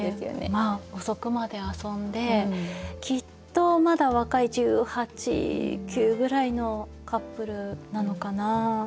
遅くまで遊んできっとまだ若い１８１９くらいのカップルなのかな？